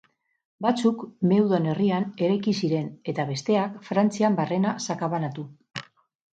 Batzuk Meudon herrian eraiki ziren, eta besteak Frantzian barrena sakabanatu.